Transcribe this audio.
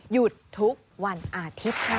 หยุดทุกวันอาทิตย์ค่ะ